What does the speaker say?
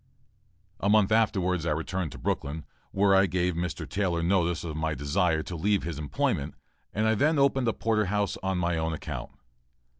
A month afterwards, I returned to Brooklyn, where I gave Mr. Taylor notice of my desire to leave his employment; and I then opened a porter house on my own account.